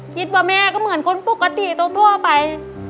คิดว่าแม่ก็เหมือนคนปกติทั่วไป